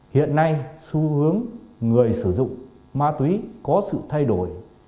hiện nay xu hướng người sử dụng ma túy có sự thay đổi